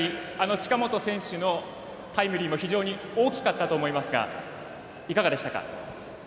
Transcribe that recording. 近本選手のタイムリーも非常に大きかったと思いますがいかがでしたか？